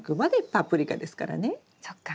そっか。